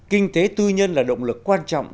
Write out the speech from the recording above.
kinh tế tư nhân là động lực quan trọng